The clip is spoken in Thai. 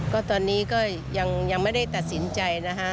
ก็ตอนนี้ก็ยังไม่ได้ตัดสินใจนะฮะ